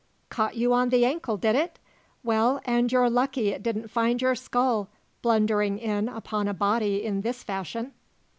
Caught you on the ankle, did it? Well, and you're lucky it didn't find your skull, blundering in upon a body in this fashion."